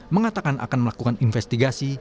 mengatakan akan melakukan investigasi